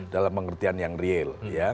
dalam pengertian yang real